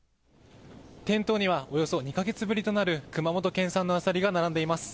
店頭には、およそ２か月ぶりとなる熊本県産のアサリが並んでいます。